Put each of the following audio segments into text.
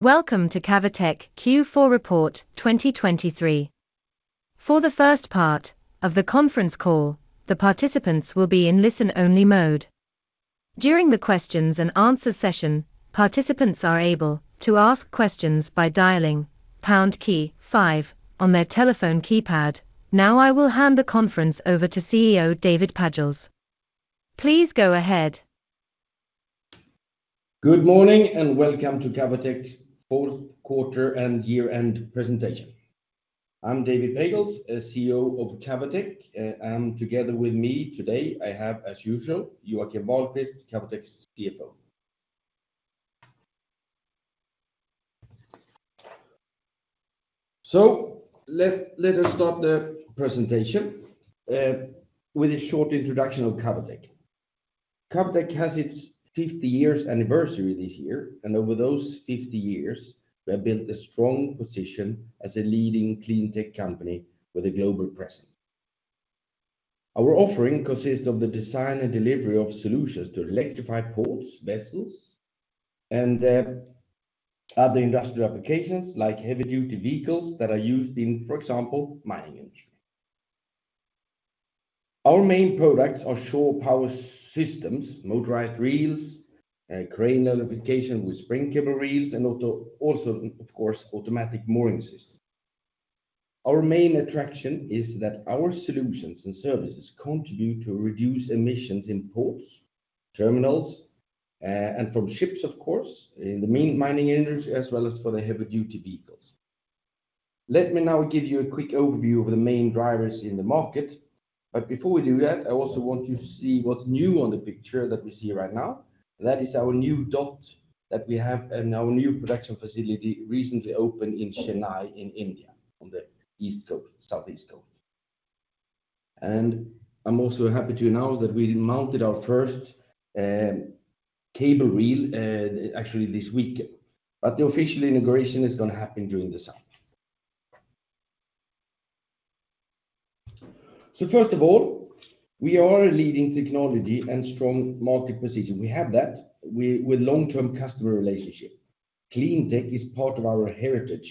Welcome to Cavotec Q4 report 2023. For the first part of the conference call, the participants will be in listen-only mode. During the questions and answer session, participants are able to ask questions by dialing pound key five on their telephone keypad. Now, I will hand the conference over to CEO David Pagels. Please go ahead. Good morning, and welcome to Cavotec's fourth quarter and year-end presentation. I'm David Pagels, CEO of Cavotec, and together with me today, I have, as usual, Joakim Waltin, Cavotec's CFO. So let us start the presentation with a short introduction of Cavotec. Cavotec has its 50 years anniversary this year, and over those 50 years, we have built a strong position as a leading clean tech company with a global presence. Our offering consists of the design and delivery of solutions to electrified ports, vessels, and other industrial applications, like heavy-duty vehicles that are used in, for example, mining industry. Our main products are shore power systems, motorized reels, crane electrification with spring cable reels, and also, of course, automatic mooring systems. Our main attraction is that our solutions and services continue to reduce emissions in ports, terminals, and from ships, of course, in the main mining industry, as well as for the heavy-duty vehicles. Let me now give you a quick overview of the main drivers in the market, but before we do that, I also want you to see what's new on the picture that we see right now. That is our new dot that we have and our new production facility recently opened in Chennai, in India, on the east coast, southeast coast. And I'm also happy to announce that we mounted our first cable reel actually this week, but the official integration is gonna happen during the summer. So first of all, we are a leading technology and strong market position. We have that with long-term customer relationship. Clean tech is part of our heritage,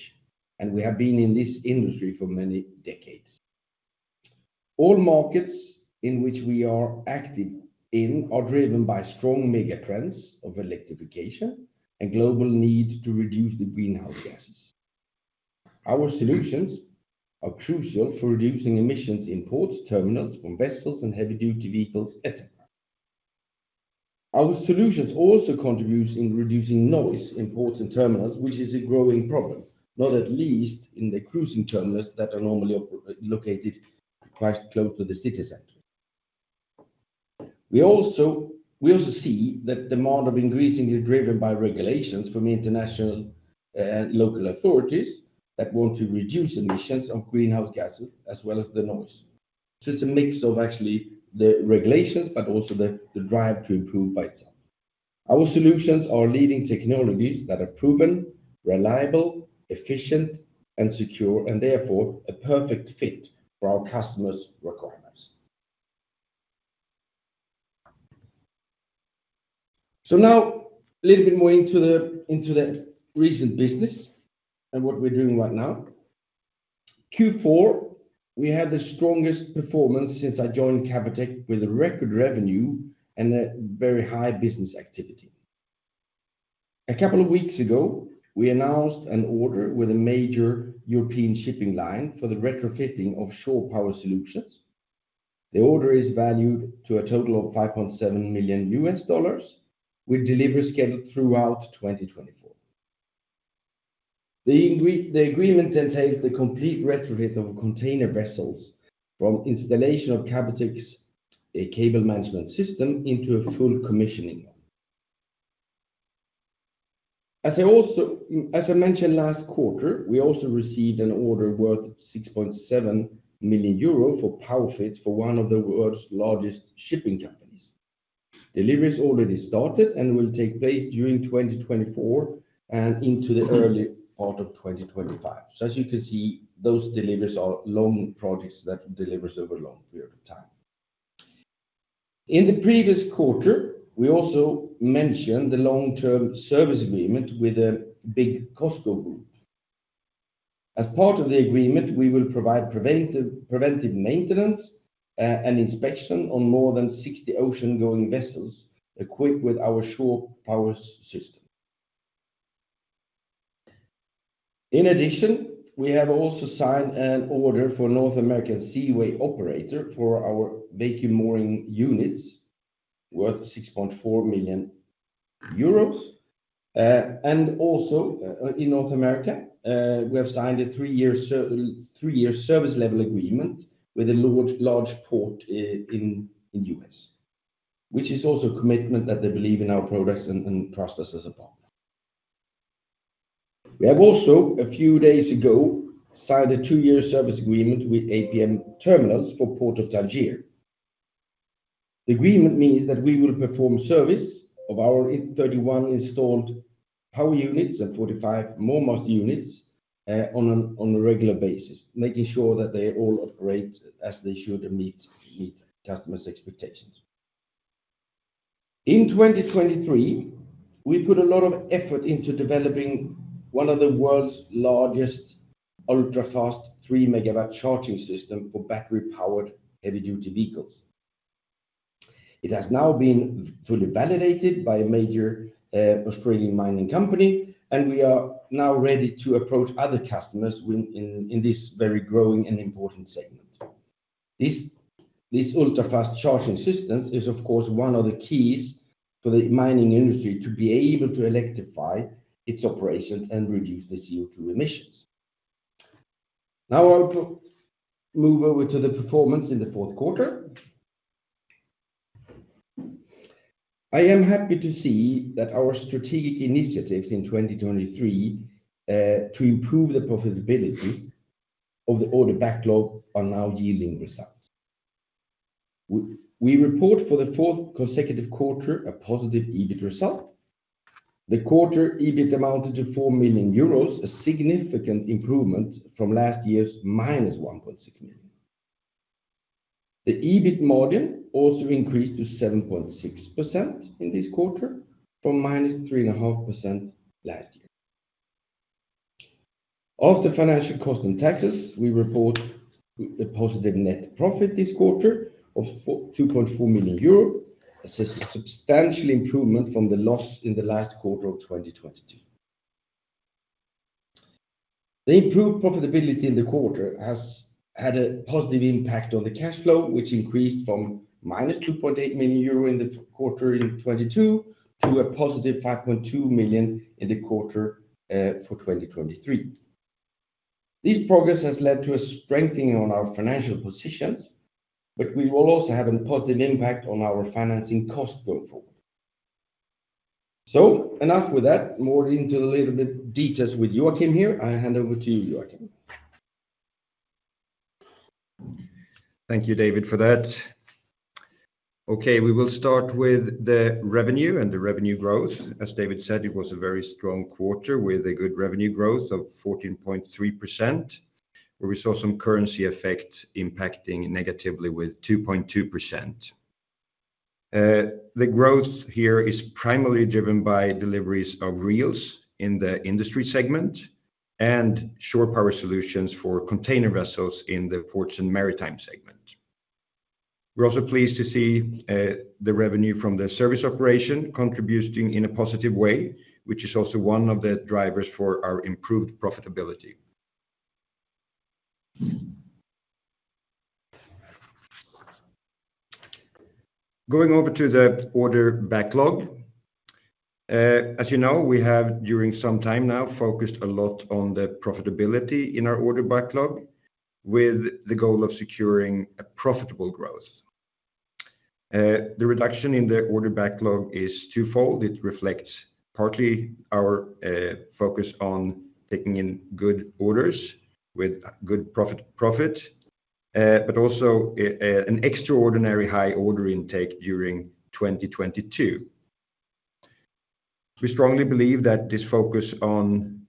and we have been in this industry for many decades. All markets in which we are active in are driven by strong mega trends of electrification and global needs to reduce the greenhouse gases. Our solutions are crucial for reducing emissions in ports, terminals, from vessels and heavy-duty vehicles, et cetera. Our solutions also contributes in reducing noise in ports and terminals, which is a growing problem, not at least in the cruising terminals that are normally located quite close to the city center. We also see that demand are increasingly driven by regulations from international and local authorities that want to reduce emissions of greenhouse gases as well as the noise. So it's a mix of actually the regulations, but also the drive to improve by itself. Our solutions are leading technologies that are proven, reliable, efficient and secure, and therefore, a perfect fit for our customers' requirements. So now, a little bit more into the recent business and what we're doing right now. Q4, we had the strongest performance since I joined Cavotec, with a record revenue and a very high business activity. A couple of weeks ago, we announced an order with a major European shipping line for the retrofitting of shore power solutions. The order is valued to a total of $5.7 million, with delivery scheduled throughout 2024. The agreement entails the complete retrofit of container vessels from installation of Cavotec's cable management system into a full commissioning. As I also mentioned last quarter, we also received an order worth 6.7 million euro for PowerFit for one of the world's largest shipping companies. Deliveries already started and will take place during 2024 and into the early part of 2025. So as you can see, those deliveries are long projects that delivers over a long period of time. In the previous quarter, we also mentioned the long-term service agreement with the big COSCO group. As part of the agreement, we will provide preventive maintenance and inspection on more than 60 ocean-going vessels equipped with our shore power system. In addition, we have also signed an order for North American Seaway operator for our vacuum mooring units worth 6.4 million euros. Also, in North America, we have signed a 3-year service level agreement with a large port in the U.S., which is also a commitment that they believe in our products and processes as a partner. We have also, a few days ago, signed a 2-year service agreement with APM Terminals for Port of Algiers. The agreement means that we will perform service of our 31 installed power units and 45 MoorMaster units on a regular basis, making sure that they all operate as they should and meet customers' expectations. In 2023, we put a lot of effort into developing one of the world's largest ultrafast 3-megawatt charging system for battery-powered heavy-duty vehicles. It has now been fully validated by a major Australian mining company, and we are now ready to approach other customers in this very growing and important segment. This ultrafast charging system is, of course, one of the keys for the mining industry to be able to electrify its operations and reduce the CO2 emissions. Now, I'll move over to the performance in the fourth quarter. I am happy to see that our strategic initiatives in 2023 to improve the profitability of the order backlog are now yielding results. We report for the fourth consecutive quarter, a positive EBIT result. The quarter EBIT amounted to 4 million euros, a significant improvement from last year's -1.6 million. The EBIT margin also increased to 7.6% in this quarter from -3.5% last year. After financial costs and taxes, we report a positive net profit this quarter of 4.2 million euro, a substantial improvement from the loss in the last quarter of 2022. The improved profitability in the quarter has had a positive impact on the cash flow, which increased from -2.8 million euro in the quarter in 2022 to 5.2 million in the quarter for 2023. This progress has led to a strengthening on our financial positions, but we will also have a positive impact on our financing cost going forward. So enough with that, more into a little bit details with Joakim here. I hand over to you, Joakim. Thank you, David, for that. Okay, we will start with the revenue and the revenue growth. As David said, it was a very strong quarter with a good revenue growth of 14.3%, where we saw some currency effect impacting negatively with 2.2%. The growth here is primarily driven by deliveries of reels in the industry segment and shore power solutions for container vessels in the Ports and Maritime segment. We're also pleased to see the revenue from the service operation contributing in a positive way, which is also one of the drivers for our improved profitability. Going over to the order backlog. As you know, we have, during some time now, focused a lot on the profitability in our order backlog, with the goal of securing a profitable growth. The reduction in the order backlog is twofold. It reflects partly our focus on taking in good orders with good profit, but also an extraordinary high order intake during 2022. We strongly believe that this focus on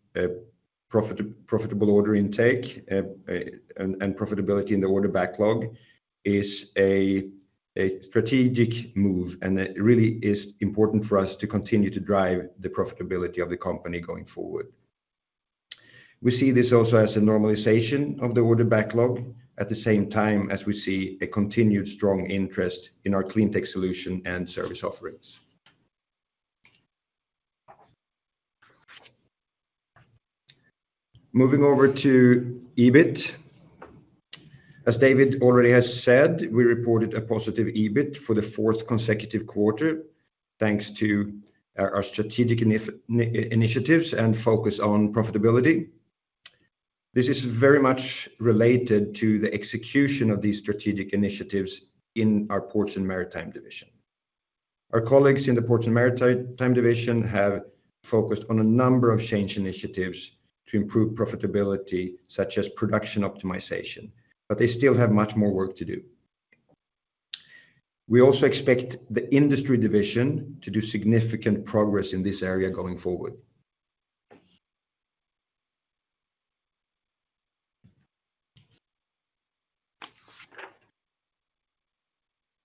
profitable order intake and profitability in the order backlog is a strategic move, and it really is important for us to continue to drive the profitability of the company going forward. We see this also as a normalization of the order backlog, at the same time, as we see a continued strong interest in our clean tech solution and service offerings. Moving over to EBIT. As David already has said, we reported a positive EBIT for the fourth consecutive quarter, thanks to our strategic initiatives and focus on profitability. This is very much related to the execution of these strategic initiatives in our Ports and Maritime division. Our colleagues in the Ports and Maritime division have focused on a number of change initiatives to improve profitability, such as production optimization, but they still have much more work to do. We also expect the industry division to do significant progress in this area going forward.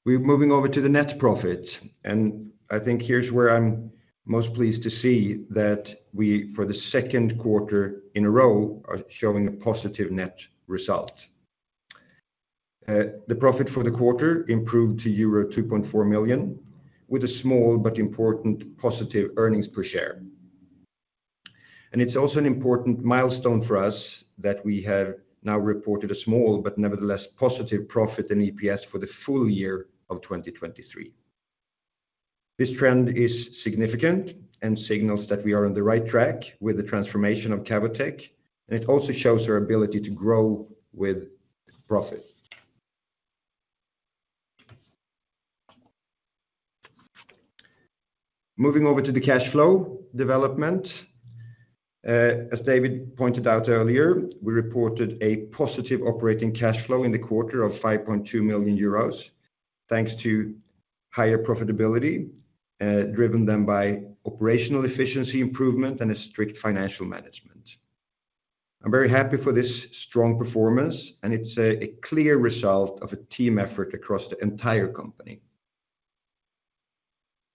We're moving over to the net profit, and I think here's where I'm most pleased to see that we, for the second quarter in a row, are showing a positive net result. The profit for the quarter improved to euro 2.4 million, with a small but important positive earnings per share. It's also an important milestone for us that we have now reported a small, but nevertheless, positive profit in EPS for the full year of 2023. This trend is significant and signals that we are on the right track with the transformation of Cavotec, and it also shows our ability to grow with profit. Moving over to the cash flow development. As David pointed out earlier, we reported a positive operating cash flow in the quarter of 5.2 million euros, thanks to higher profitability, driven then by operational efficiency improvement and a strict financial management. I'm very happy for this strong performance, and it's a clear result of a team effort across the entire company.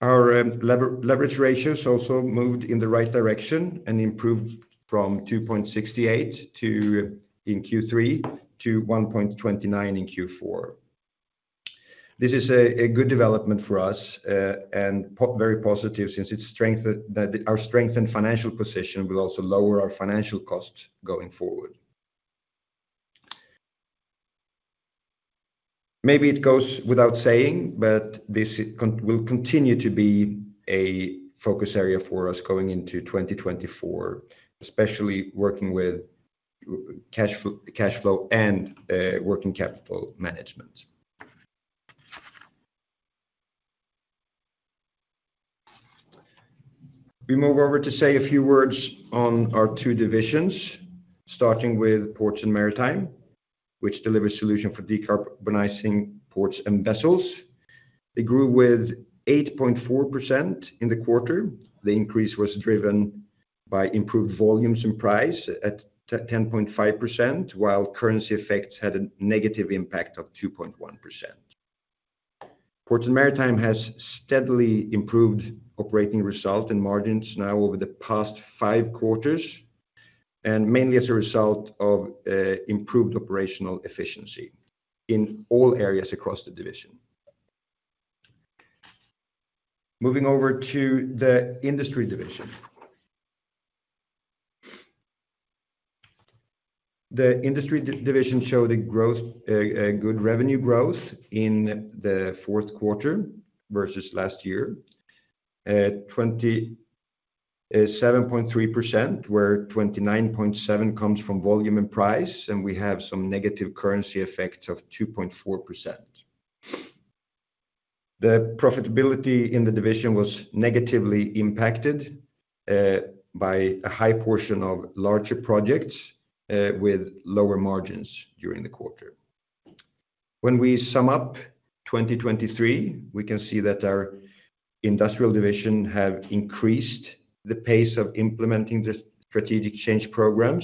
Our leverage ratios also moved in the right direction and improved from 2.68 to, in Q3, to 1.29 in Q4. This is a good development for us, and very positive since its strength that our strength and financial position will also lower our financial costs going forward. Maybe it goes without saying, but this will continue to be a focus area for us going into 2024, especially working with cash flow, cash flow and working capital management. We move over to say a few words on our two divisions, starting with Ports and Maritime, which delivers solution for decarbonizing ports and vessels. They grew with 8.4% in the quarter. The increase was driven by improved volumes and price at 10.5%, while currency effects had a negative impact of 2.1%. Ports and Maritime has steadily improved operating result and margins now over the past five quarters, and mainly as a result of improved operational efficiency in all areas across the division. Moving over to the industry division. The industry division showed a growth, a good revenue growth in the fourth quarter versus last year, at 27.3%, where 29.7 comes from volume and price, and we have some negative currency effects of 2.4%. The profitability in the division was negatively impacted by a high portion of larger projects with lower margins during the quarter. When we sum up 2023, we can see that our industrial division have increased the pace of implementing the strategic change programs,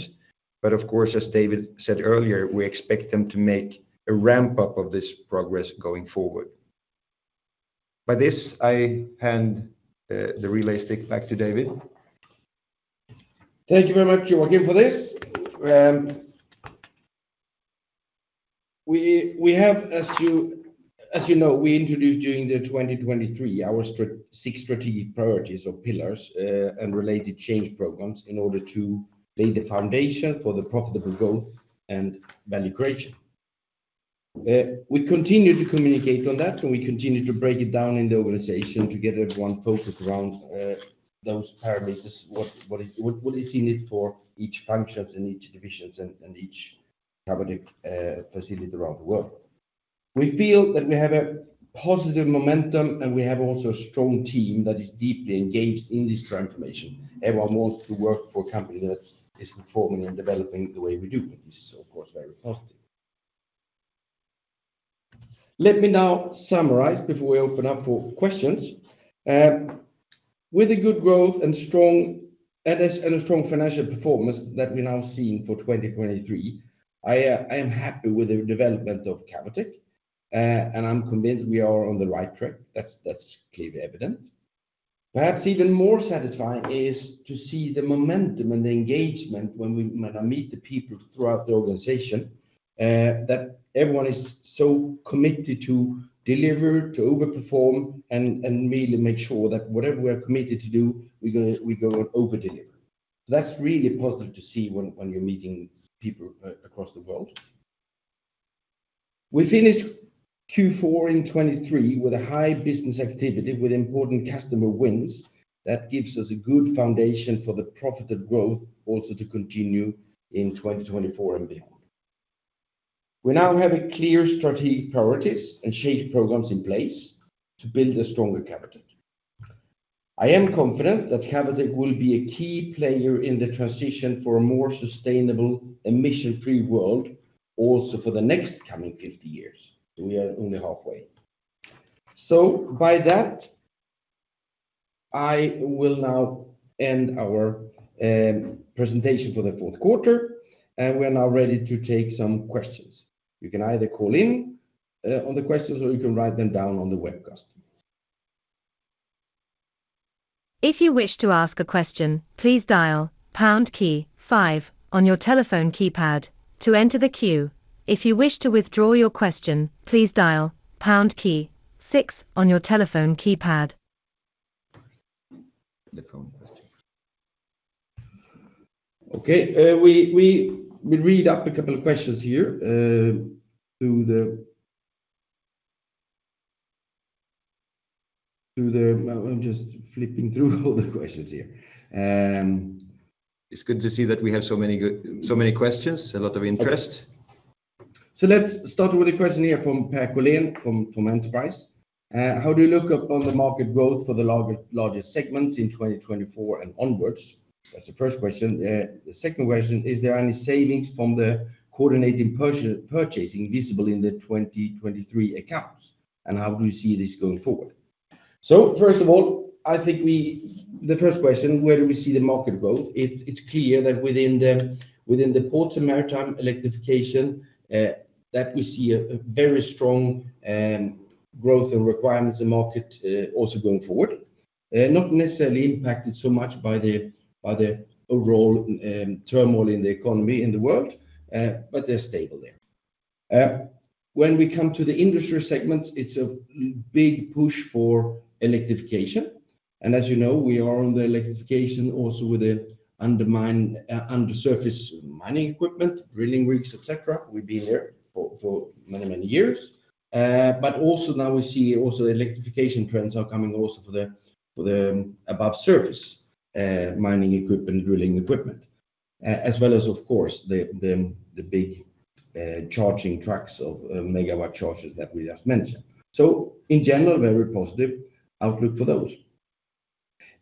but of course, as David said earlier, we expect them to make a ramp-up of this progress going forward. By this, I hand the relay stick back to David. Thank you very much, Joakim, for this. We, we have, as you, as you know, we introduced during 2023 our six strategic priorities or pillars, and related change programs in order to lay the foundation for the profitable growth and value creation. We continue to communicate on that, and we continue to break it down in the organization to get everyone focused around those parameters, what, what is, what is in it for each functions and each divisions and, and each Cavotec facility around the world. We feel that we have a positive momentum, and we have also a strong team that is deeply engaged in this transformation. Everyone wants to work for a company that is performing and developing the way we do, and this is, of course, very positive. Let me now summarize before we open up for questions. With the good growth and strong financial performance that we're now seeing for 2023, I am happy with the development of Cavotec, and I'm convinced we are on the right track. That's clearly evident. Perhaps even more satisfying is to see the momentum and the engagement when I meet the people throughout the organization, that everyone is so committed to deliver, to overperform, and really make sure that whatever we are committed to do, we're gonna, we're gonna overdeliver. That's really positive to see when you're meeting people across the world. We finished Q4 in 2023 with a high business activity with important customer wins. That gives us a good foundation for the profitable growth also to continue in 2024 and beyond. We now have a clear strategic priorities and change programs in place to build a stronger Cavotec. I am confident that Cavotec will be a key player in the transition for a more sustainable emission-free world, also for the next coming 50 years. We are only halfway. So by that, I will now end our presentation for the fourth quarter, and we are now ready to take some questions. You can either call in on the questions, or you can write them down on the webcast. If you wish to ask a question, please dial pound key five on your telephone keypad to enter the queue. If you wish to withdraw your question, please dial pound key six on your telephone keypad. The phone question. Okay, we read up a couple of questions here through the. Through the, I'm just flipping through all the questions here. It's good to see that we have so many good, so many questions, a lot of interest. So let's start with a question here from Per Kollén from Pareto Securities. How do you look up on the market growth for the larger, largest segments in 2024 and onwards? That's the first question. The second question, is there any savings from the coordinating purchasing visible in the 2023 accounts, and how do you see this going forward? So first of all, I think we, the first question, where do we see the market growth? It's clear that within the port and maritime electrification, that we see a very strong growth and requirements in market, also going forward. Not necessarily impacted so much by the overall turmoil in the economy in the world, but they're stable there. When we come to the industry segments, it's a big push for electrification. As you know, we are on the electrification also with the underground and surface mining equipment, drilling rigs, et cetera. We've been there for many, many years. But also now we see also the electrification trends are coming also for the above surface mining equipment, drilling equipment, as well as, of course, the big charging trucks of megawatt chargers that we just mentioned. So in general, very positive outlook for those.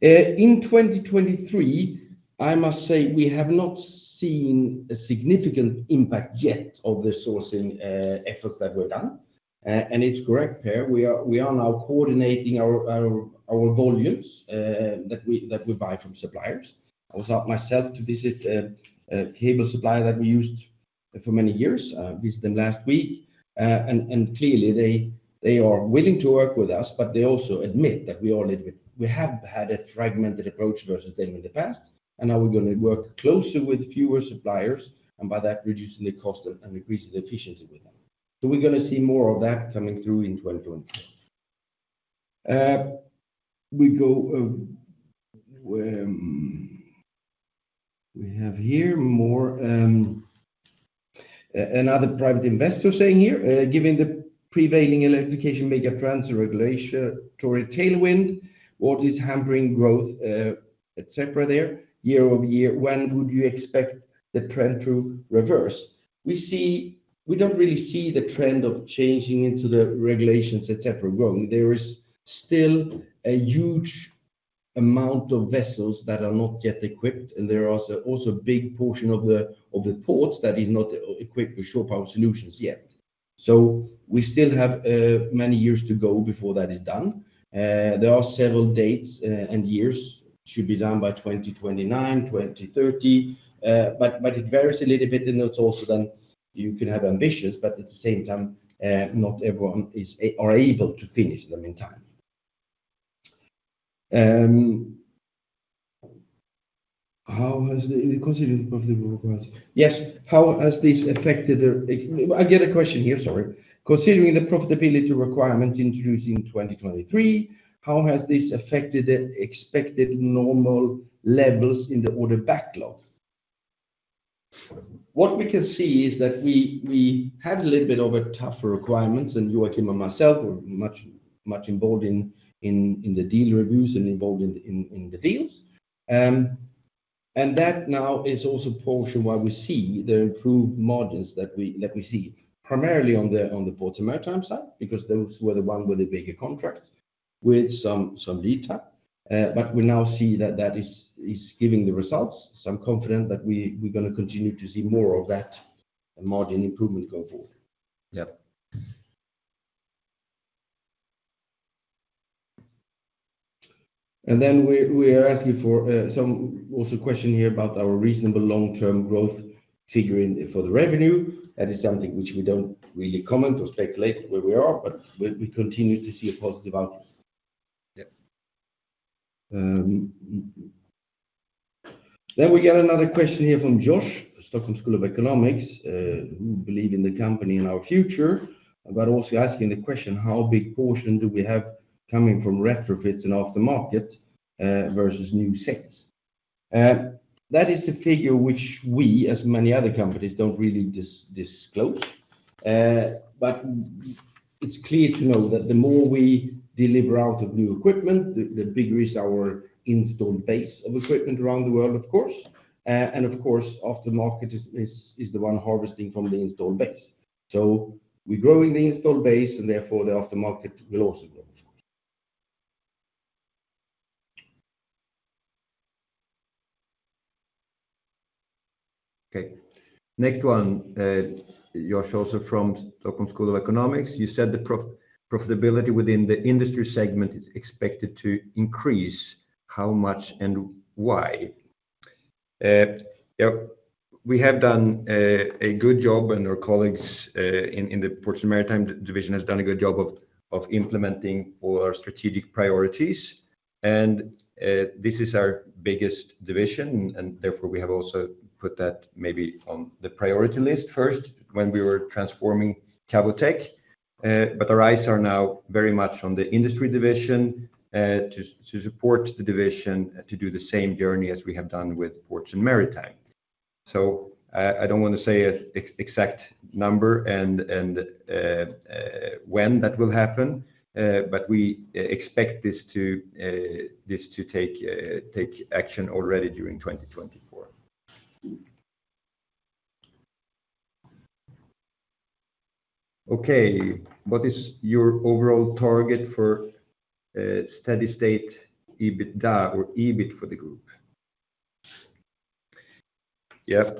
In 2023, I must say, we have not seen a significant impact yet of the sourcing efforts that were done. And it's correct, Per, we are now coordinating our volumes that we buy from suppliers. I was out myself to visit a cable supplier that we used for many years, visited them last week. And clearly, they are willing to work with us, but they also admit that we all live with, we have had a fragmented approach versus them in the past, and now we're gonna work closely with fewer suppliers, and by that, reducing the cost and increasing the efficiency with them. So we're gonna see more of that coming through in 2024. We have here more, another private investor saying here, "Given the prevailing electrification mega trends, the regulatory tailwind, what is hampering growth, et cetera there, year-over-year, when would you expect the trend to reverse? We see, we don't really see the trend of changing into the regulations, et cetera, growing. There is still a huge amount of vessels that are not yet equipped, and there are also a big portion of the ports that is not equipped with shore power solutions yet. So we still have many years to go before that is done. There are several dates and years should be done by 2029, 2030, but it varies a little bit, and it's also then you can have ambitious, but at the same time, not everyone is able to finish them in time. How has the considering the profitability requirements? Yes, how has this affected the... I get a question here, sorry. Considering the profitability requirement introduced in 2023, how has this affected the expected normal levels in the order backlog? What we can see is that we had a little bit of a tougher requirements, and Joakim and myself were much involved in the deal reviews and involved in the deals. And that now is also portion why we see the improved margins that we see, primarily on the ports and maritime side, because those were the one with the bigger contracts, with some lead time. But we now see that that is giving the results. So I'm confident that we're gonna continue to see more of that margin improvement going forward. Yep. And then we are asking for some also a question here about our reasonable long-term growth figuring for the revenue. That is something which we don't really comment or speculate where we are, but we continue to see a positive outcome. Yep. Then we get another question here from Josh, Stockholm School of Economics, who believe in the company and our future, but also asking the question: How big portion do we have coming from retrofits and aftermarket, versus new sets? That is the figure which we, as many other companies, don't really disclose, but it's clear to know that the more we deliver out of new equipment, the bigger is our installed base of equipment around the world, of course. And of course, aftermarket is the one harvesting from the installed base. So we're growing the installed base, and therefore the aftermarket will also grow. Okay, next one, Josh, also from Stockholm School of Economics: You said the profitability within the industry segment is expected to increase. How much and why? Yeah, we have done a good job, and our colleagues in the Ports and Maritime division has done a good job of implementing all our strategic priorities. And this is our biggest division, and therefore, we have also put that maybe on the priority list first when we were transforming Cavotec. But our eyes are now very much on the industry division to support the division, to do the same journey as we have done with Ports and Maritime. So, I don't want to say an exact number and when that will happen, but we expect this to take action already during 2024. Okay. What is your overall target for steady state, EBITDA or EBIT for the group? Yeah,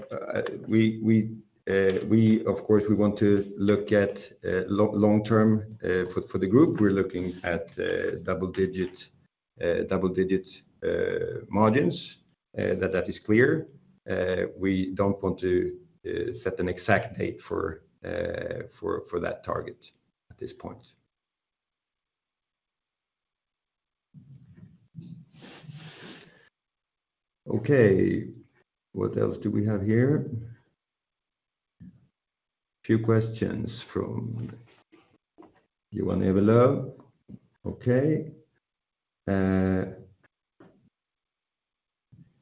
we of course want to look at long term for the group. We're looking at double-digit margins, that is clear. We don't want to set an exact date for that target at this point. Okay, what else do we have here? Few questions from Johan Everlöf. Okay.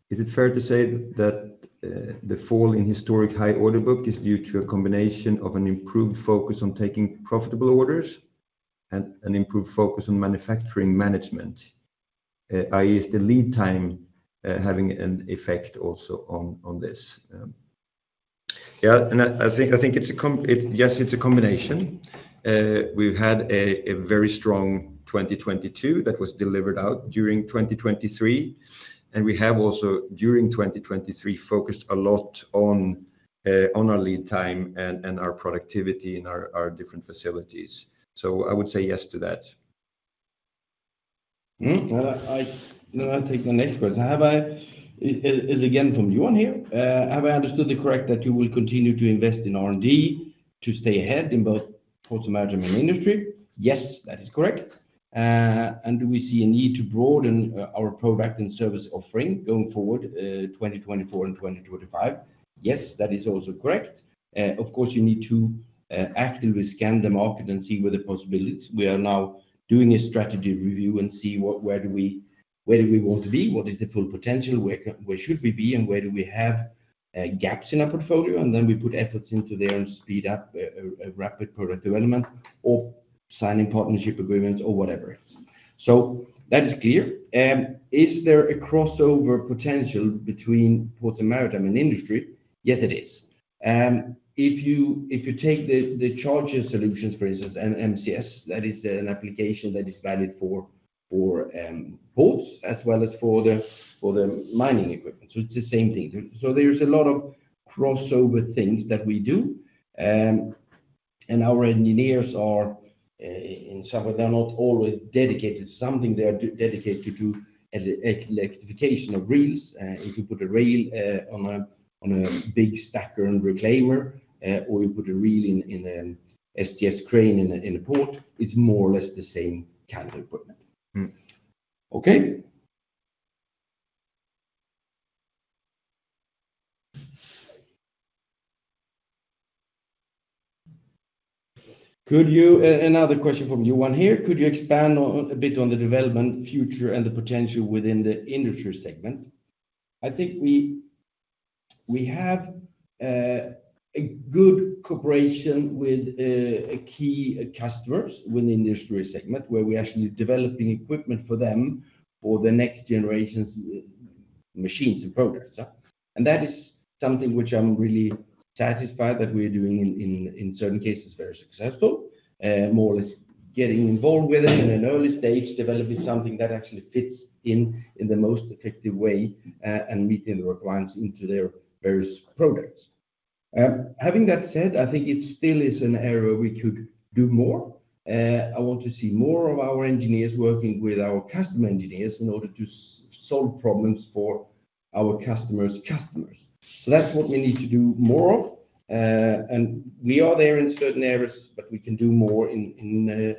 Is it fair to say that the fall in historic high order book is due to a combination of an improved focus on taking profitable orders and an improved focus on manufacturing management? I.e., is the lead time having an effect also on this? Yeah, and I think it's a combination. We've had a very strong 2022 that was delivered out during 2023, and we have also, during 2023, focused a lot on our lead time and our productivity in our different facilities. So I would say yes to that. Well, then I'll take the next question. It is again from Johan here. Have I understood it correct, that you will continue to invest in R&D to stay ahead in both port and maritime industry? Yes, that is correct. And do we see a need to broaden our product and service offering going forward, 2024 and 2025? Yes, that is also correct. Of course, you need to actively scan the market and see where the possibilities. We are now doing a strategy review and see what, where do we want to be, what is the full potential, where can, where should we be, and where do we have gaps in our portfolio? Then we put efforts into there and speed up rapid product development or signing partnership agreements or whatever it is. That is clear. Is there a crossover potential between port and maritime and industry? Yes, it is. If you take the charger solutions, for instance, and MCS, that is an application that is valid for ports as well as for the mining equipment, so it's the same thing. So there's a lot of crossover things that we do. And our engineers are, in some way, they're not always dedicated. Sometimes they are dedicated to electrification of reels. If you put a reel on a big stacker and reclaimer, or you put a reel in a STS crane in a port, it's more or less the same kind of equipment. Okay. Another question from Johan here: Could you expand on a bit on the development, future, and the potential within the industry segment? I think we have a good cooperation with key customers within the industry segment, where we are actually developing equipment for them for the next generation's machines and products. And that is something which I'm really satisfied that we're doing in certain cases, very successful, more or less getting involved with it in an early stage, developing something that actually fits in the most effective way, and meeting the requirements into their various products. Having that said, I think it still is an area we could do more. I want to see more of our engineers working with our customer engineers in order to solve problems for our customers' customers. So that's what we need to do more of, and we are there in certain areas, but we can do more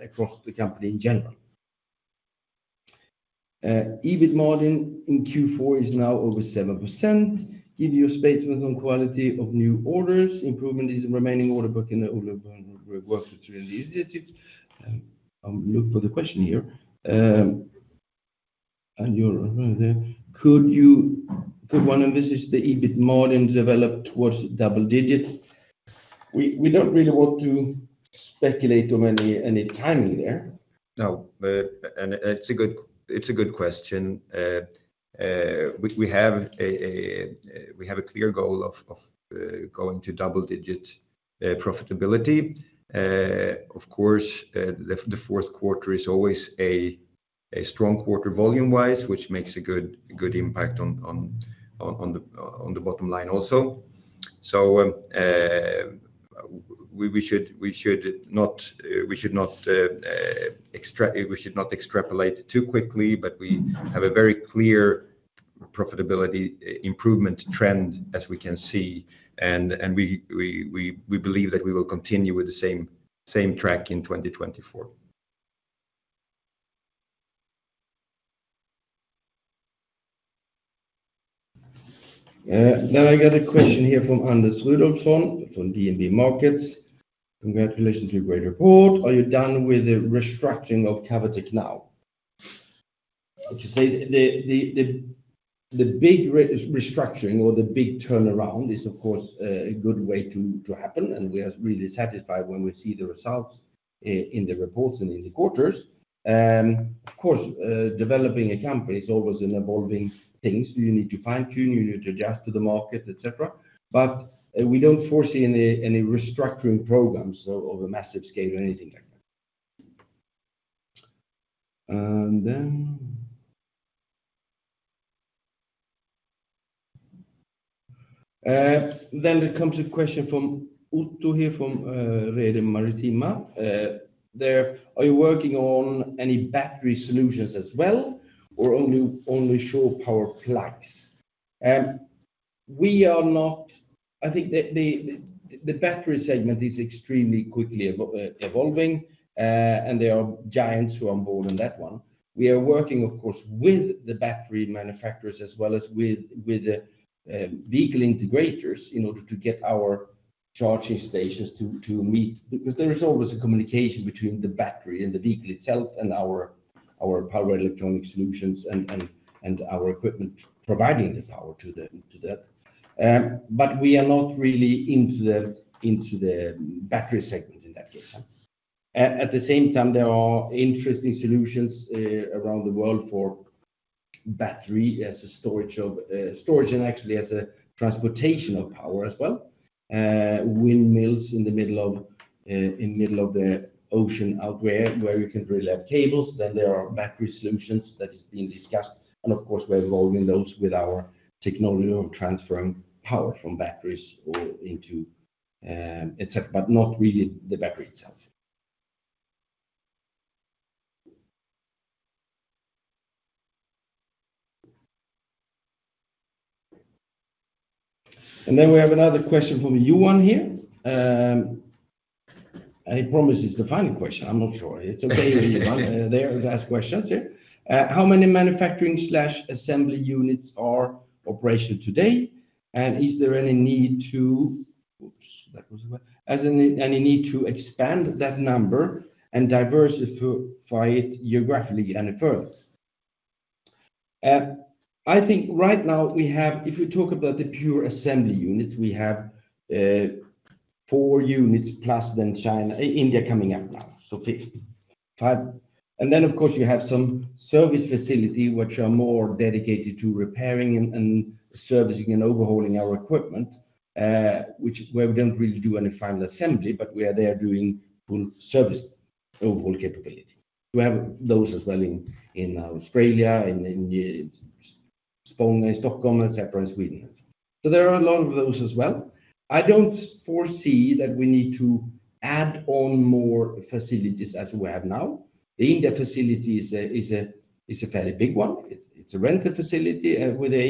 across the company in general. EBIT margin in Q4 is now over 7%. Give you a statement on quality of new orders, improvement in remaining order book in the older works through the initiatives. I'll look for the question here, and you're right there. Could you, could one, and this is the EBIT margin, develop towards double digits? We don't really want to speculate on any timing there. No, it's a good question. We have a clear goal of going to double-digit profitability. Of course, the fourth quarter is always a strong quarter volume-wise, which makes a good impact on the bottom line also. So, we should not extrapolate it too quickly, but we have a very clear profitability improvement trend as we can see, and we believe that we will continue with the same track in 2024. Now I got a question here from Anders Rudolfsson, from DNB Markets. Congratulations to a great report. Are you done with the restructuring of Cavotec now? To say the big restructuring or the big turnaround is, of course, a good way to happen, and we are really satisfied when we see the results in the reports and in the quarters. Of course, developing a company is always an evolving thing. You need to fine tune, you need to adjust to the market, et cetera, but we don't foresee any restructuring programs of a massive scale or anything like that. And then there comes a question from Uto here from Red Maritima. Are you working on any battery solutions as well, or only, only shore power plugs? We are not. I think the battery segment is extremely quickly evolving, and there are giants who are on board on that one. We are working, of course, with the battery manufacturers as well as with the vehicle integrators in order to get our charging stations to meet. Because there is always a communication between the battery and the vehicle itself, and our power electronic solutions and our equipment providing the power to that. But we are not really into the battery segment in that case. At the same time, there are interesting solutions around the world for battery as a storage of storage and actually as a transportation of power as well. Windmills in the middle of the ocean, out where you can really have cables, then there are battery solutions that is being discussed. And of course, we're involving those with our technology of transferring power from batteries or into et cetera, but not really the battery itself. And then we have another question from Johan here. And he promises the final question. I'm not sure. It's okay, Johan, there, ask questions here. How many manufacturing/assembly units are operational today? And is there any need to expand that number and diversify it geographically any further? I think right now we have, if you talk about the pure assembly units, we have 4 units, plus then China, India coming up now, so 5. And then, of course, you have some service facility, which are more dedicated to repairing and servicing and overhauling our equipment, which is where we don't really do any final assembly, but we are there doing full service overhaul capability. We have those as well in Australia, in India, Spain, Stockholm, et cetera, Sweden. So there are a lot of those as well. I don't foresee that we need to add on more facilities as we have now. The India facility is a fairly big one. It's a rental facility with an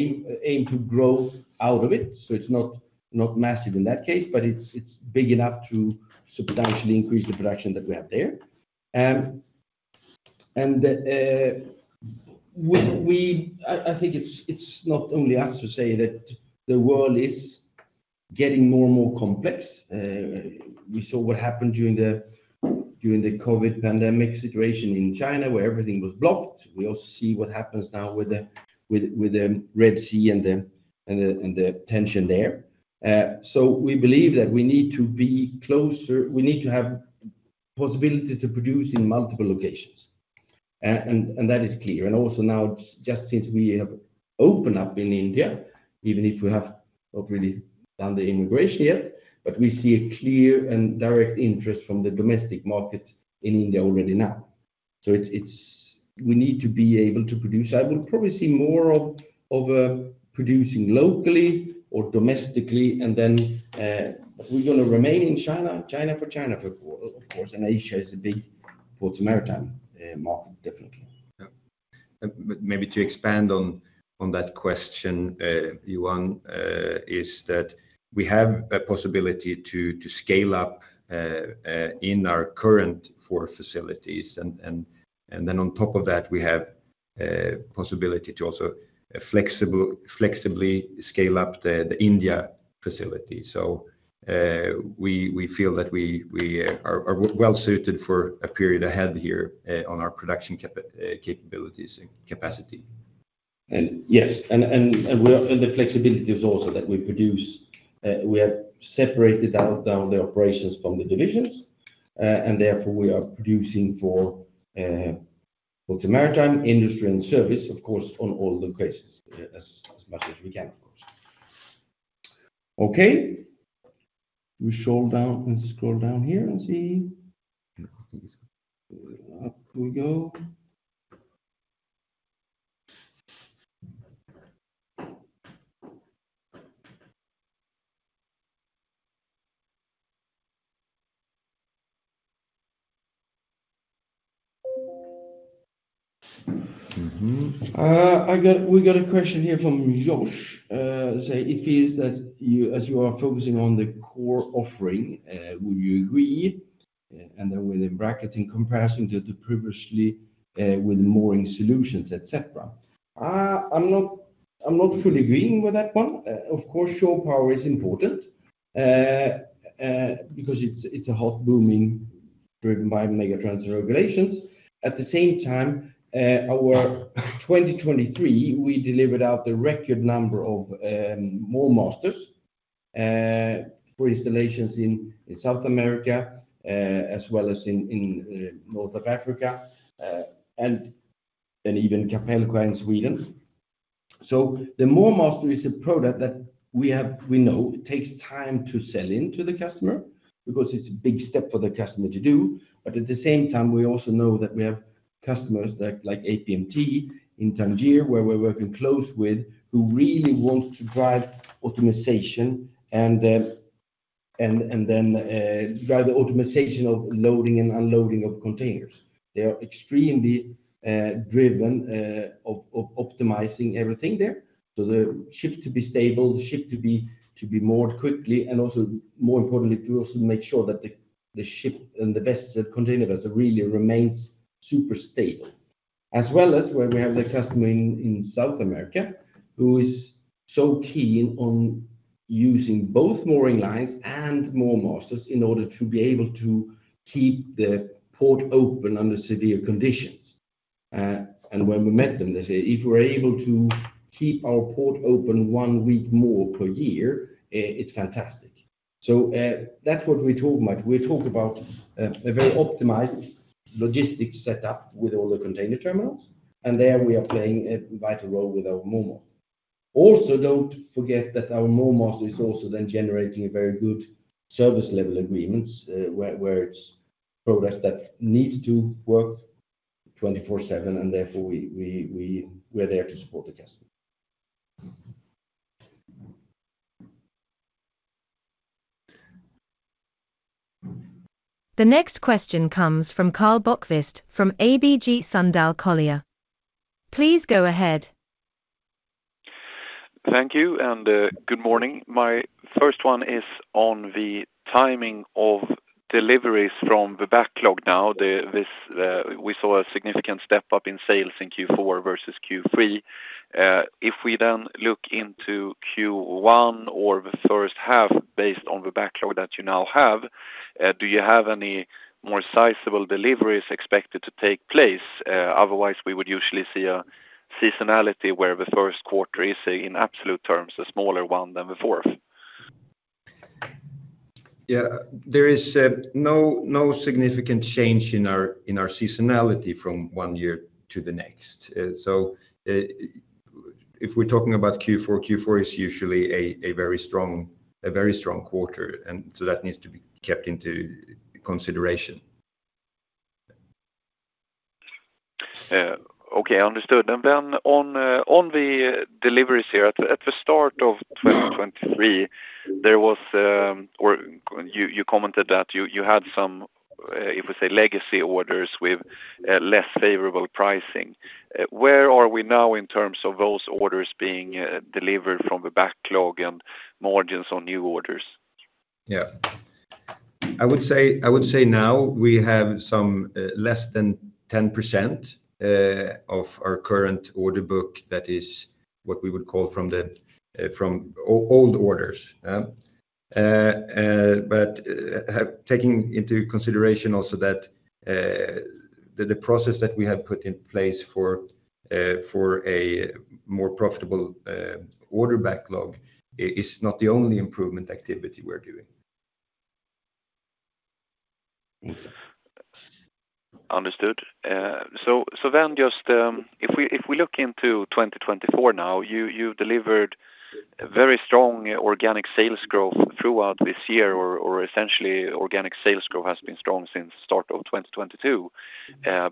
aim to grow out of it, so it's not massive in that case, but it's big enough to substantially increase the production that we have there. We – I think it's not only us to say that the world is getting more and more complex. We saw what happened during the COVID pandemic situation in China, where everything was blocked. We all see what happens now with the Red Sea and the tension there. So we believe that we need to be closer, we need to have possibility to produce in multiple locations. And that is clear. And also now, just since we have opened up in India, even if we have not really done the immigration yet, but we see a clear and direct interest from the domestic market in India already now. So it's we need to be able to produce. I would probably see more of producing locally or domestically, and then, we're going to remain in China, China for China, for, of course, and Asia is a big for Maritime market, definitely. Yeah. But maybe to expand on that question, Johan, is that we have a possibility to scale up in our current four facilities. And then on top of that, we have a possibility to also flexibly scale up the India facility. So, we feel that we are well suited for a period ahead here, on our production capabilities and capacity. Yes, the flexibility is also that we produce. We have separated the operations from the divisions, and therefore, we are producing for both the maritime industry and service, of course, on all locations, as much as we can, of course. Okay. We scroll down, and scroll down here and see. Up we go. We got a question here from Josh. Say, it is that you, as you are focusing on the core offering, would you agree? And then with the bracket in comparison to the previously, with the mooring solutions, et cetera. I'm not fully agreeing with that one. Of course, shore power is important, because it's a hot booming, driven by mega transit regulations. At the same time, our 2023, we delivered out the record number of MoorMasters for installations in South America, as well as in North of Africa, and then even Kapellskär in Sweden. So the MoorMaster is a product that we have, we know it takes time to sell into the customer because it's a big step for the customer to do. But at the same time, we also know that we have customers that, like APMT in Tangier, where we're working close with, who really wants to drive optimization, and then drive the optimization of loading and unloading of containers. They are extremely driven of optimizing everything there. So the ship to be stable, the ship to be moored quickly, and also, more importantly, to also make sure that the ship and the best container vessel really remains super stable. As well as where we have the customer in South America, who is so keen on using both mooring lines and MoorMasters in order to be able to keep the port open under severe conditions. When we met them, they say, "If we're able to keep our port open one week more per year, it's fantastic." So, that's what we talk about. We talk about a very optimized logistics set up with all the container terminals, and there we are playing a vital role with our MoorMaster. Also, don't forget that our MoorMaster is also then generating a very good service level agreements, where it's progress that needs to work 24/7, and therefore, we're there to support the customer. The next question comes from Karl Bokvist from ABG Sundal Collier. Please go ahead. Thank you, and good morning. My first one is on the timing of deliveries from the backlog now. We saw a significant step up in sales in Q4 versus Q3. If we then look into Q1 or the first half based on the backlog that you now have, do you have any more sizable deliveries expected to take place? Otherwise, we would usually see a seasonality where the first quarter is, in absolute terms, a smaller one than the fourth. Yeah, there is no significant change in our seasonality from one year to the next. So, if we're talking about Q4, Q4 is usually a very strong quarter, and so that needs to be kept into consideration. Okay, understood. And then on the deliveries here, at the start of 2023, there was, or you commented that you had some, if we say, legacy orders with less favorable pricing. Where are we now in terms of those orders being delivered from the backlog and margins on new orders? Yeah. I would say, I would say now we have some, less than 10% of our current order book. That is what we would call from the, from old orders. But, taking into consideration also that, the, the process that we have put in place for, for a more profitable, order backlog is not the only improvement activity we're doing. Understood. So, so then just, if we, if we look into 2024 now, you, you delivered a very strong organic sales growth throughout this year, or, or essentially, organic sales growth has been strong since start of 2022.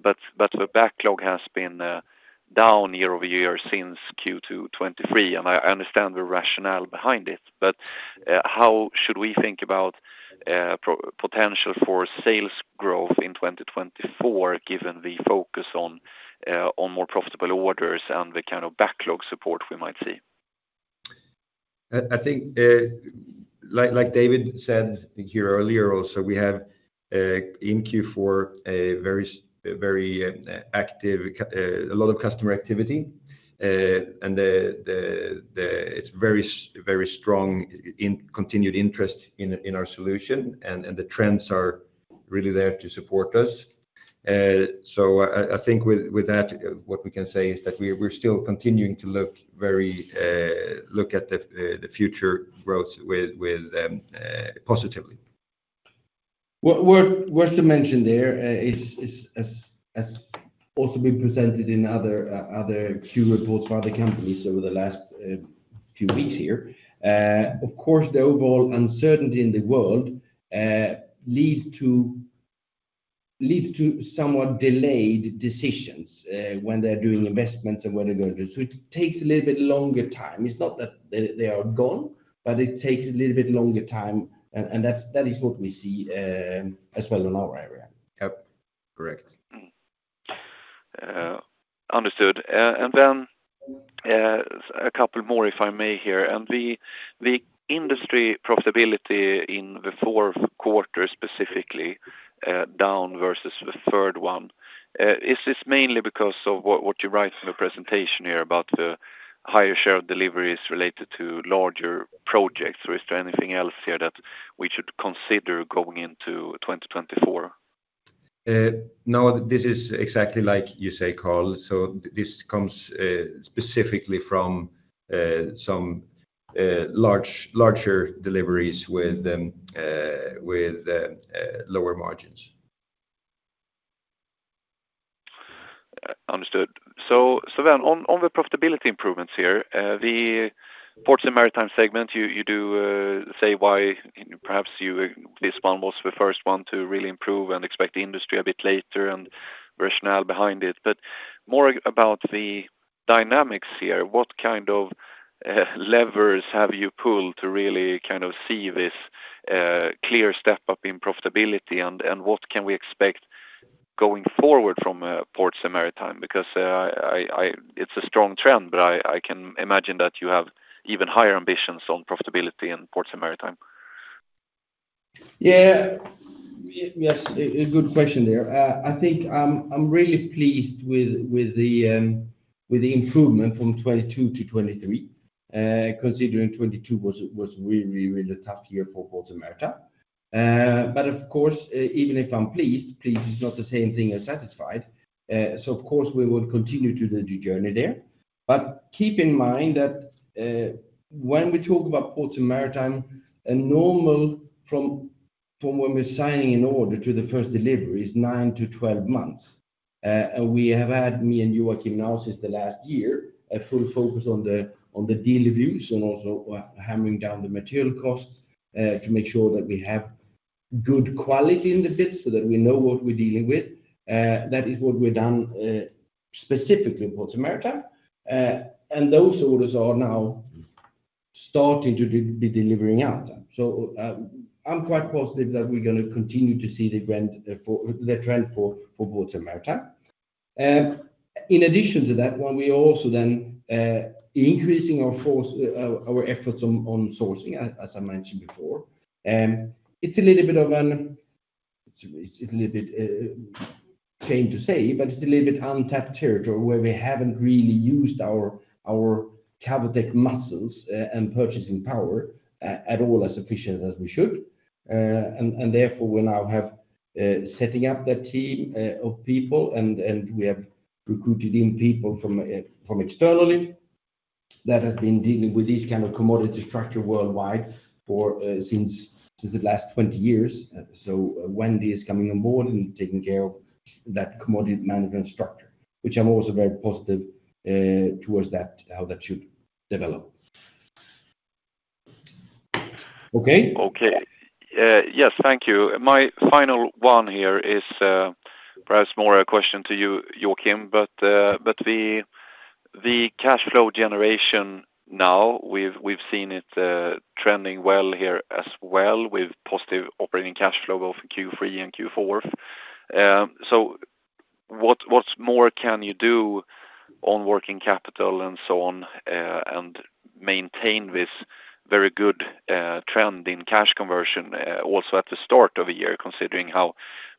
But, but the backlog has been, down year-over-year since Q2 2023, and I understand the rationale behind it. But, how should we think about, potential for sales growth in 2024, given the focus on, on more profitable orders and the kind of backlog support we might see? I think, like David said here earlier also, we have in Q4 a very, very active, a lot of customer activity, and it's very, very strong continued interest in our solution, and the trends are really there to support us. So I think with that, what we can say is that we're still continuing to look very positively at the future growth. It's worth to mention there, as has also been presented in other Q reports by the companies over the last few weeks here. Of course, the overall uncertainty in the world leads to somewhat delayed decisions when they're doing investments and when they're going to do... So it takes a little bit longer time. It's not that they are gone, but it takes a little bit longer time, and that's what we see as well in our area. Yep, correct. Understood. And then, a couple more, if I may, here. And the industry profitability in the fourth quarter, specifically, down versus the third one, is this mainly because of what you write in the presentation here about the higher share of deliveries related to larger projects, or is there anything else here that we should consider going into 2024? No, this is exactly like you say, Karl. So this comes specifically from some larger deliveries with lower margins. Understood. So, Sven, on the profitability improvements here, the ports and maritime segment, you do say why perhaps you, this one was the first one to really improve and expect the industry a bit later, and rationale behind it. But more about the dynamics here, what kind of levers have you pulled to really kind of see this clear step up in profitability? And what can we expect going forward from ports and maritime? Because it's a strong trend, but I can imagine that you have even higher ambitions on profitability in ports and maritime. Yeah. Yes, a good question there. I think, I'm really pleased with the improvement from 2022 to 2023, considering 2022 was really, really a tough year for ports and maritime. But of course, even if I'm pleased, pleased is not the same thing as satisfied. So of course, we will continue to do the journey there. But keep in mind that, when we talk about ports and maritime, a normal from when we're signing an order to the first delivery is 9-12 months. And we have had, me and you, Joakim, now, since the last year, a full focus on the deal reviews and also hammering down the material costs to make sure that we have good quality in the bids so that we know what we're dealing with. That is what we've done, specifically in ports and maritime, and those orders are now starting to be delivering out. So, I'm quite positive that we're gonna continue to see the trend for ports and maritime. In addition to that, when we also then increasing our focus, our efforts on sourcing, as I mentioned before, it's a little bit of a shame to say, but it's a little bit untapped territory where we haven't really used our Cavotec muscles, and purchasing power at all as efficient as we should. And therefore, we now have setting up that team of people, and we have recruited in people from externally that have been dealing with this kind of commodity structure worldwide for since the last 20 years. So Wendy is coming on board and taking care of that commodity management structure, which I'm also very positive towards that, how that should develop. Okay? Okay. Yes, thank you. My final one here is, perhaps more a question to you, Joakim, but, but the, the cash flow generation now, we've, we've seen it, trending well here as well, with positive operating cash flow, both Q3 and Q4. So what, what more can you do on working capital and so on, and maintain this very good, trend in cash conversion, also at the start of a year, considering how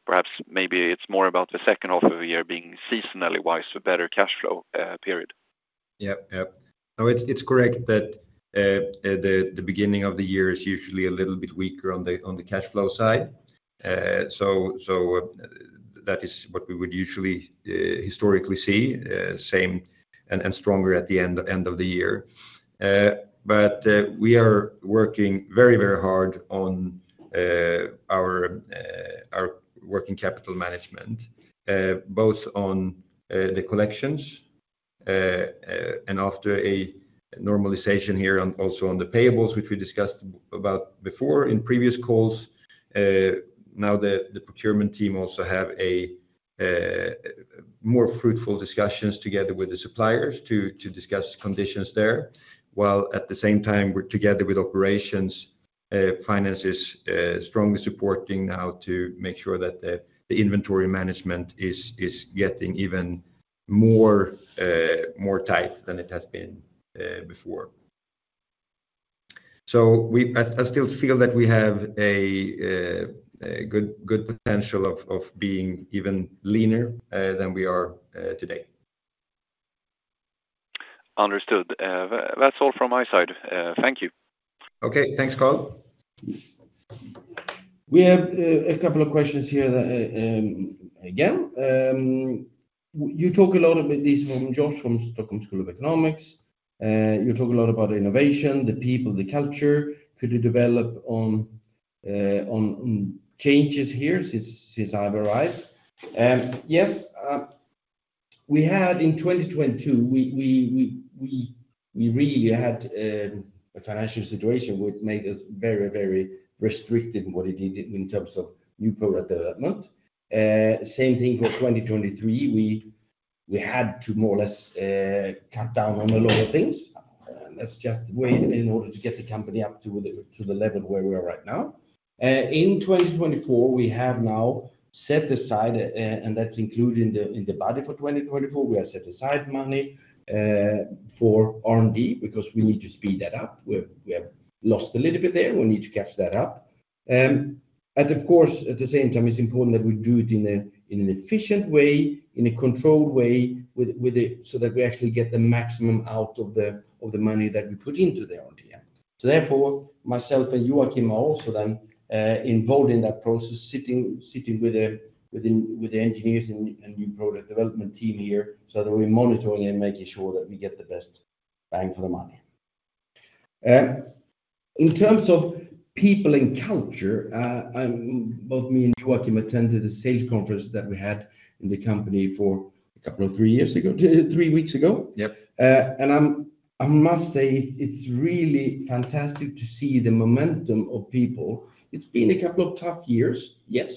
perhaps, maybe it's more about the second half of the year being seasonally wise, a better cash flow, period? Yeah. Yeah. No, it's correct that the beginning of the year is usually a little bit weaker on the cash flow side. So that is what we would usually historically see, same and stronger at the end of the year. But we are working very, very hard on our working capital management, both on the collections, and after a normalization here, on also on the payables, which we discussed about before in previous calls. Now, the procurement team also have a more fruitful discussions together with the suppliers to discuss conditions there, while at the same time, we're together with operations, finances, strongly supporting now to make sure that the inventory management is getting even more tight than it has been before. So, I still feel that we have a good potential of being even leaner than we are today. Understood. That's all from my side. Thank you. Okay, thanks, Karl. We have a couple of questions here, again, you talk a lot about this from Josh, from Stockholm School of Economics. You talk a lot about innovation, the people, the culture. Could you develop on changes here since I've arrived? Yes, we had in 2022, we really had a financial situation which made us very, very restricted in what it did in terms of new product development. Same thing for 2023. We had to more or less cut down on a lot of things. Let's just wait in order to get the company up to the level where we are right now. In 2024, we have now set aside, and that's included in the budget for 2024, we have set aside money for R&D, because we need to speed that up. We've lost a little bit there. We need to catch that up. And of course, at the same time, it's important that we do it in an efficient way, in a controlled way, with it, so that we actually get the maximum out of the money that we put into the R&D. So therefore, myself and Joakim are also then involved in that process, sitting with the engineers and new product development team here, so that we're monitoring and making sure that we get the best bang for the money.... In terms of people and culture, both me and Joakim attended a sales conference that we had in the company a couple of three years ago, three weeks ago. Yep. And I must say, it's really fantastic to see the momentum of people. It's been a couple of tough years, yes,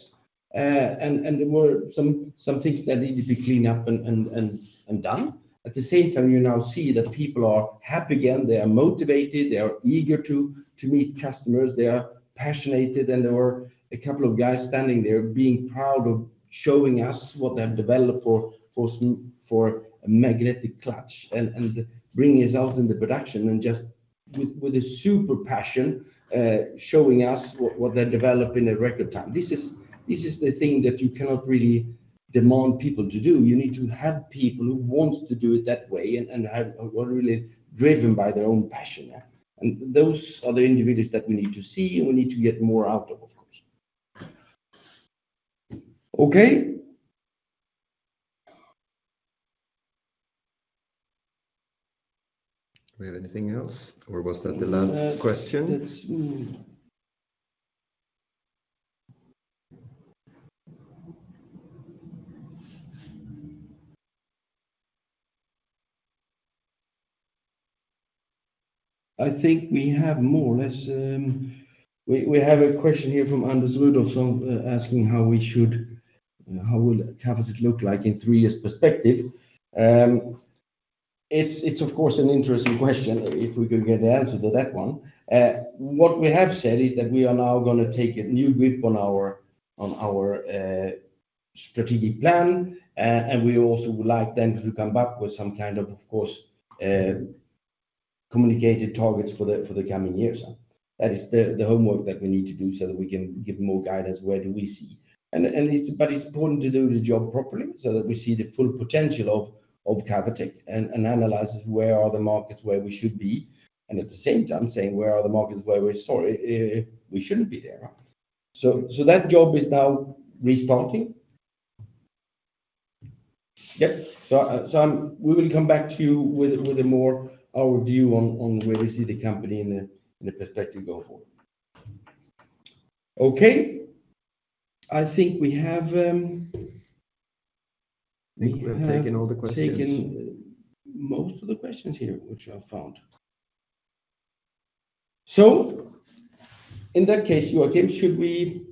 and there were some things that needed to clean up and done. At the same time, you now see that people are happy again, they are motivated, they are eager to meet customers, they are passionate, and there were a couple of guys standing there being proud of showing us what they have developed for a magnetic clutch, and bringing it out in the production, and just with a super passion, showing us what they've developed in a record time. This is the thing that you cannot really demand people to do. You need to have people who want to do it that way, and are really driven by their own passion. Those are the individuals that we need to see, and we need to get more out of, of course. Okay? Do we have anything else, or was that the last question? Let's see. I think we have more or less. We have a question here from Anders Rudolfsson, asking how we should, how will Cavotec look like in three-year perspective? It's of course an interesting question, if we could get the answer to that one. What we have said is that we are now gonna take a new grip on our strategic plan, and we also would like then to come back with some kind of, of course, communicated targets for the coming years. That is the homework that we need to do so that we can give more guidance, where do we see? But it's important to do the job properly, so that we see the full potential of Cavotec, and analyze where the markets are, where we should be, and at the same time saying where the markets are where we shouldn't be there. So that job is now restarting. Yep. So I'm, we will come back to you with our view on where we see the company in a perspective going forward. Okay. I think we have we have. We have taken all the questions. Taken most of the questions here, which I've found. So in that case, Joakim, should we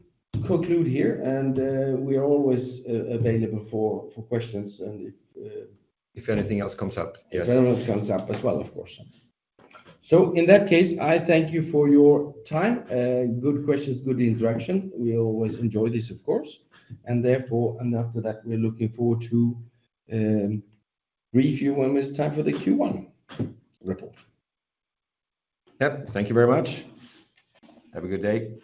conclude here? And we are always available for questions, and if. If anything else comes up, yes. If anything else comes up as well, of course. So in that case, I thank you for your time, good questions, good interaction. We always enjoy this, of course, and therefore, and after that, we're looking forward to brief you when it's time for the Q1 report. Yep. Thank you very much. Have a good day.